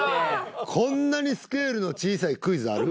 こんなにスケールの小さいクイズある？